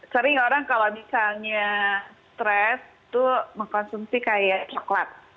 sering orang kalau misalnya stres itu mengkonsumsi kayak coklat